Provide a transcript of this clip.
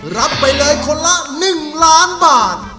รับไปเลยคนละ๑ล้านบาท